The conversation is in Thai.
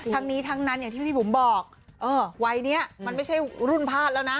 ทั้งนี้ทั้งนั้นอย่างที่พี่บุ๋มบอกวัยนี้มันไม่ใช่รุ่นพลาดแล้วนะ